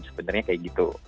sebenarnya kayak gitu